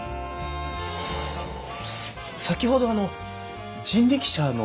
先ほどあの人力車の。